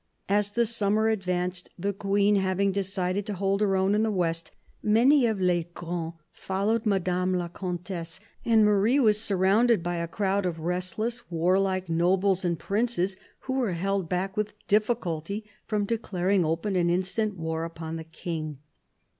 As the summer advanced, the Queen having decided to hold her own in the west, many of les grands followed Madame la Comtesse, and Marie was surrqKinded by a crowd of restless, warlike nobles and princes, who were held back with difficulty from declaring open and instant war upon the King.